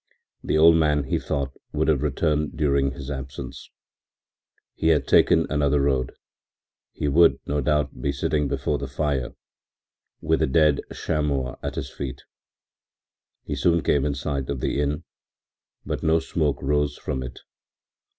The old man, he thought, would have returned during his absence. He had taken another road; he would, no doubt, be sitting before the fire, with a dead chamois at his feet. He soon came in sight of the inn, but no smoke rose from it.